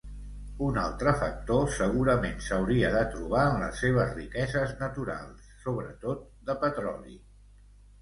Un altre factor segurament s'hauria de trobar en les seves riqueses naturals, sobretot de petroli.